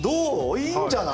いいんじゃない？